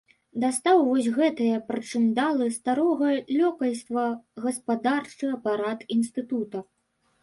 Дастаў вось гэтыя прычындалы старога лёкайства гаспадарчы апарат інстытута.